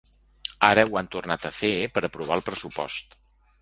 Ara ho han tornat a fer per aprovar el pressupost.